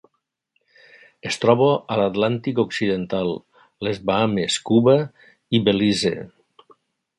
Es troba a l'Atlàntic occidental: les Bahames, Cuba i Belize.